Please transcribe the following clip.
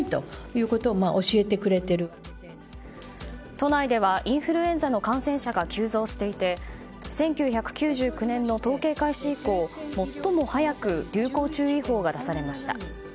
都内ではインフルエンザの感染者が急増していて１９９９年の統計開始以降最も早く流行注意報が出されました。